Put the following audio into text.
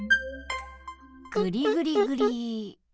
ぐりぐりぐり。